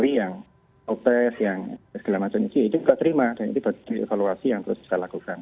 ini bagi evaluasi yang terus kita lakukan